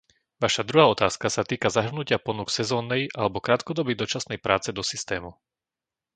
Vaša druhá otázka sa týka zahrnutia ponúk sezónnej alebo krátkodobej dočasnej práce do systému.